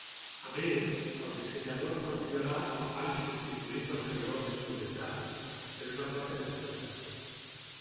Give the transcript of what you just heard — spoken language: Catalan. A més, els dissenyadors van millorar el pany substituint dos cargols de seguretat per una placa de seguretat.